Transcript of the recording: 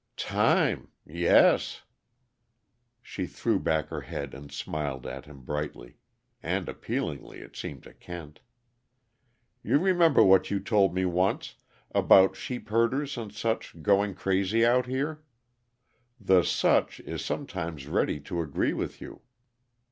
"Time! Yes " She threw back her head and smiled at him brightly and appealingly, it seemed to Kent. "You remember what you told me once about sheep herders and such going crazy out here? The such is sometimes ready to agree with you."